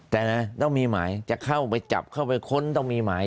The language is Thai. แต่นะต้องมีหมายจะเข้าไปจับเข้าไปค้นต้องมีหมาย